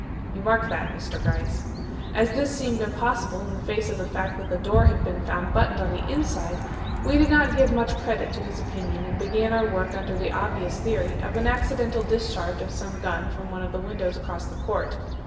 (You mark that, Mr. Gryce.) As this seemed impossible in face of the fact that the door had been found buttoned on the inside, we did not give much credit to his opinion and began our work under the obvious theory of an accidental discharge of some gun from one of the windows across the court.